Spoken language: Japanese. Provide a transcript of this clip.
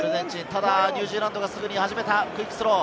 ただニュージーランドはすぐに始めた、クイックスロー。